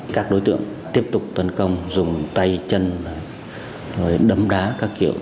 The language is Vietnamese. các đối tượng tiếp tục tấn công dùng tay chân đấm đá các kiểu